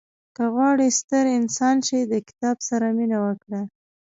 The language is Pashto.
• که غواړې ستر انسان شې، د کتاب سره مینه وکړه.